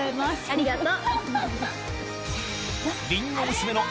ありがと！